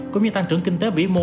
cũng như tăng trưởng kinh tế vĩ mô